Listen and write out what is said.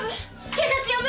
警察呼ぶ？